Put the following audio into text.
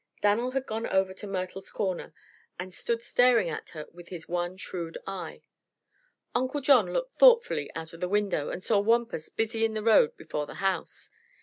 Dan'l had gone over to Myrtle's corner and stood staring at her with his one shrewd eye. Uncle John looked thoughtfully out of the window and saw Wampus busy in the road before the house.